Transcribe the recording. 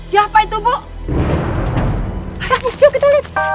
harap buktiuk itu